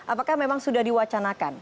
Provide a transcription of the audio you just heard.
apakah memang sudah diwacanakan